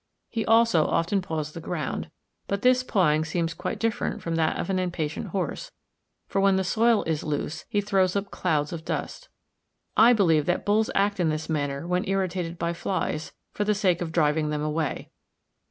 He also often paws the ground; but this pawing seems quite different from that of an impatient horse, for when the soil is loose, he throws up clouds of dust. I believe that bulls act in this manner when irritated by flies, for the sake of driving them away.